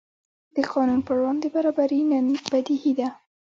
د قانون پر وړاندې برابري نن بدیهي ده.